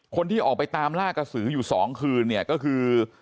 คนที่ออกไปตามล่ากระสืออยู่๒คืนเนี่ยก็คือ